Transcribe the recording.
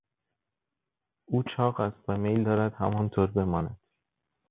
او چاق است و میل دارد همانطور بماند.